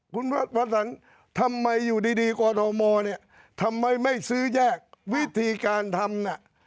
คุณพระสันทำไมอยู่ดีกรทมเนี่ยทำไมไม่ซื้อแยกวิธีการทำน่ะ